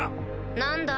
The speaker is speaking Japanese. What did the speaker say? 何だ？